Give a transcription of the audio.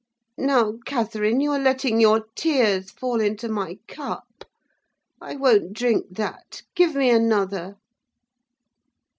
Now, Catherine, you are letting your tears fall into my cup. I won't drink that. Give me another."